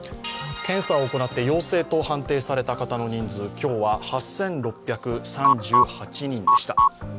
検査を行って陽性と判定された方の人数、今日は８６３８人でした。